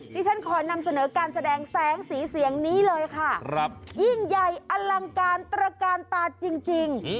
ที่ฉันขอนำเสนอการแสดงแสงสีเสียงนี้เลยค่ะยิ่งใหญ่อลังการตระกาลตาจริง